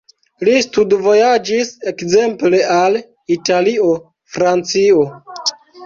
Li studvojaĝis ekzemple al Italio, Francio.